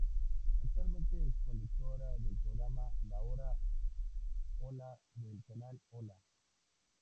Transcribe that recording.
Actualmente es conductora del programa La Hora Hola del canal ¡Hola!